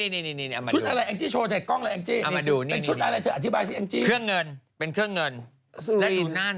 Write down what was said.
ไอ้ชุดที่ว่าไอ้คิวเนี่ย